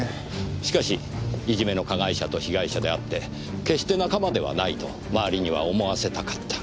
しかしいじめの加害者と被害者であって決して仲間ではないと周りには思わせたかった。